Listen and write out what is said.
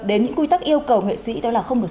đến những quy tắc yêu cầu nghệ sĩ đó là không được